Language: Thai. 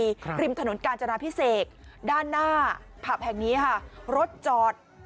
ครับริมถนนกาญจนาพิเศษด้านหน้าผับแห่งนี้ค่ะรถจอด